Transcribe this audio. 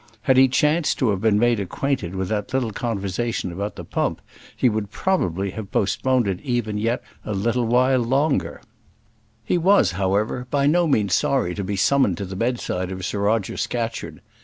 Had he chanced to have been made acquainted with that little conversation about the pump, he would probably have postponed it even yet a while longer. He was, however, by no means sorry to be summoned to the bedside of Sir Roger Scatcherd.